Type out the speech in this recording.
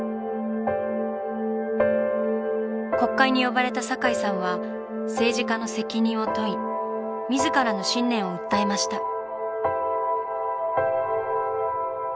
国会に呼ばれた堺さんは政治家の責任を問い自らの信念を訴えました。